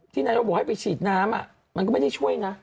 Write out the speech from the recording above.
ที่นายบอกว่าให้ไปฉีดน้ำอ่ะมันก็ไม่ได้ช่วยนะ